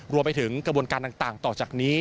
รวมไปถึงกระบวนการต่างต่อจากนี้